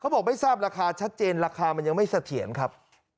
บอกไม่ทราบราคาชัดเจนราคามันยังไม่เสถียรครับ